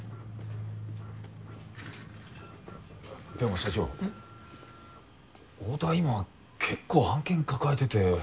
でも社長太田は今結構案件抱えてて。